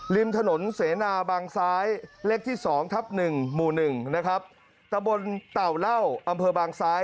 ริมถนนเสนาบางซ้ายเล็กที่๒ทับ๑หมู่อำเภอบางซ้าย